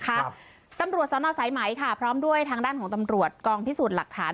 ครับตำรวจสอนอสายไหมค่ะพร้อมด้วยทางด้านของตำรวจกองพิสูจน์หลักฐาน